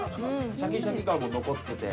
シャキシャキ感も残ってて。